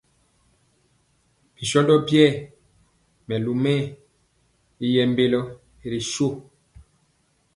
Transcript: Bi shóndo biɛɛ melu mɛɛ y yɛɛ mbélo ri shó.